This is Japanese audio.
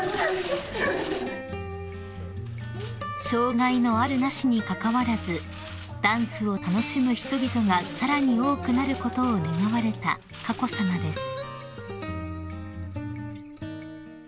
［障害のあるなしにかかわらずダンスを楽しむ人々がさらに多くなることを願われた佳子さまです］